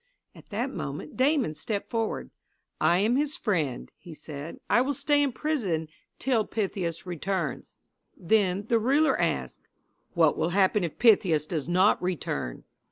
At that moment Damon stepped forward. "I am his friend," he said. "I will stay in prison till Pythias returns." Then the ruler asked: "What will happen if Pythias does not return?"